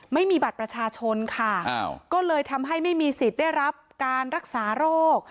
ไม่มีบัตรประชาชนค่ะก็เลยทำให้ไม่มีสิทธิ์ได้รับการรักษาโรค